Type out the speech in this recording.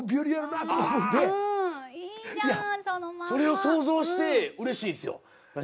それを想像してうれしいんですよ。